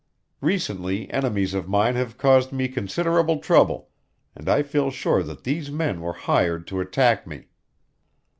Recently enemies of mine have caused me considerable trouble, and I feel sure that these men were hired to attack me.